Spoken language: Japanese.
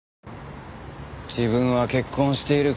自分は結婚しているくせに。